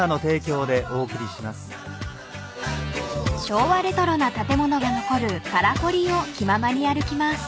［昭和レトロな建物が残る空堀を気ままに歩きます］